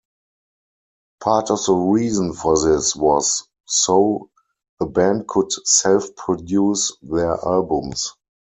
Part of the reason for this was so the band could self-produce their albums.